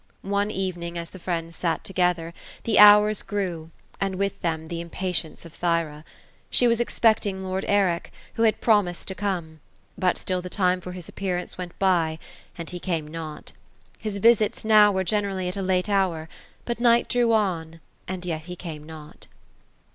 One evening as the friends sat together, the hours grew, and with them the impa tience of Thyra. She was expecting lord Eric, who had promised to come ; but still the time for his appearance went by, and he came not His visits now, were generally at a late hour ; but night drew on, and yet he came not.